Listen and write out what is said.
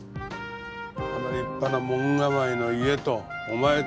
あの立派な門構えの家とお前と。